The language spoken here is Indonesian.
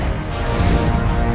lalu katakan pada ratu